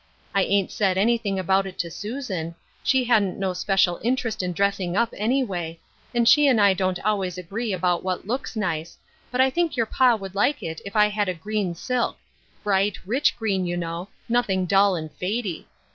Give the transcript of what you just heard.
I ain't said anything about it to Susan — she ha'n't no special interest in dressing up, anyway, and she and I don't always agree about what looks nice, but I think your pa would like it if I had a green silk — bright, rich green, you know, nothing dull and fady.